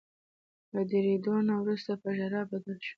له ډیریدو نه وروسته په ژړا بدل شول.